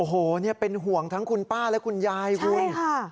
โอ้โหเนี่ยเป็นห่วงทั้งคุณป้าและคุณยายคุณใช่ค่ะ